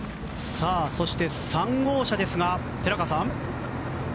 そして３号車、寺川さん。